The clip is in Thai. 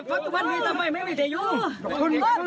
ว่าจับจ้านะไอ้ผู้ดัก